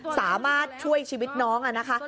สามารถช่วยชีวิตน้องนะคะ